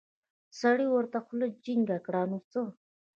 سړي ورته خوله جينګه کړه نو څه.